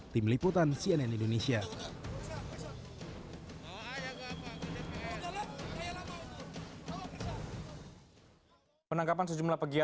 tim liputan cnn indonesia